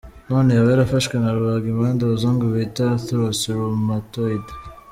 None yaba yarafashwe na rubagimpande abazungu bita “arthrose-rhumatoide”?